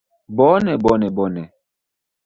Bone... bone... bone...